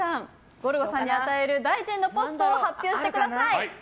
ゴルゴさんに与える大臣のポストを発表してください。